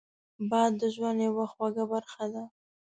باد د ژوند یوه خوږه برخه ده